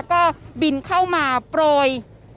ก็บินเข้ามาโปรย